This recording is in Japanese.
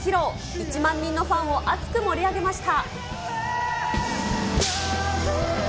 １万人のファンを熱く盛り上げました。